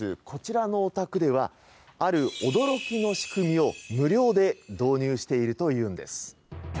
こちらのお宅ではある驚きの仕組みを無料で導入しているというのです。